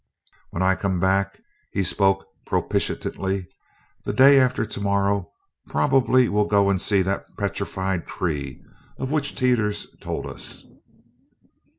"When I come back," he spoke propitiatingly, "the day after to morrow, probably we'll go and see that petrified tree of which Teeters told us."